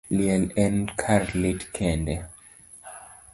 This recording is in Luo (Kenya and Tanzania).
Liel en kar lit kende.